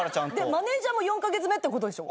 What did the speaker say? マネジャーも４カ月目ってことでしょ？